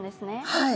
はい。